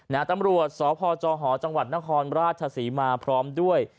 นาตำรวจสพจหจนครราชศาสีมาพร้อมด้วย